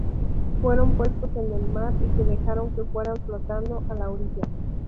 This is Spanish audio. Fueron puestos en el mar y se dejaron que fueran flotando a la orilla.